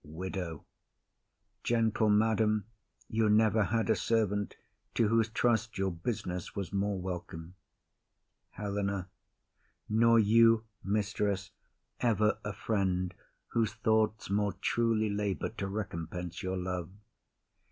WIDOW. Gentle madam, You never had a servant to whose trust Your business was more welcome. HELENA. Nor you, mistress, Ever a friend whose thoughts more truly labour To recompense your love.